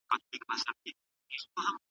که پاسورډ وي نو حساب نه غلا کیږي.